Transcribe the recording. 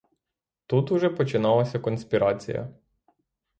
Тут уже починалася конспірація.